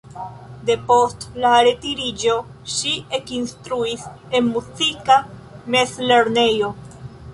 Depost la retiriĝo ŝi ekinstruis en muzika mezlernejo.